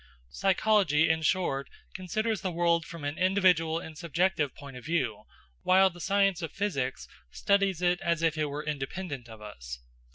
Psychology, in short, considers the world from an individual and subjective point of view, while the science of physics studies it as if it were independent of us."